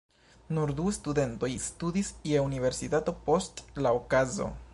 Nur du studentoj studis je universitato post la okazo.